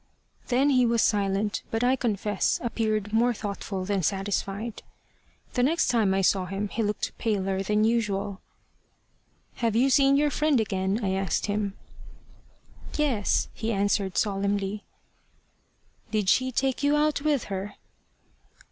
Then he was silent, but, I confess, appeared more thoughtful than satisfied. The next time I saw him, he looked paler than usual. "Have you seen your friend again?" I asked him. "Yes," he answered, solemnly. "Did she take you out with her?"